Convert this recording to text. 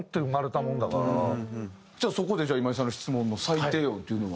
そこで今井さんの質問の最低音っていうのは。